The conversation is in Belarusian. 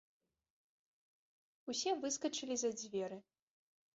Усе выскачылі за дзверы.